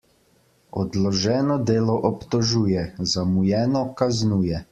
Odloženo delo obtožuje, zamujeno kaznuje.